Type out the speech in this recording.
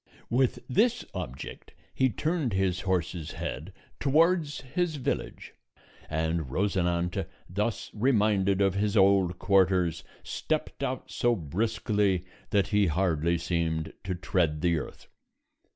With this object he turned his horse's head towards his village, and Rosinante, thus reminded of his old quarters, stepped out so briskly that he hardly seemed to tread the earth.